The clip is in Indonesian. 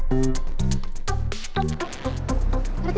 ya udah gue mau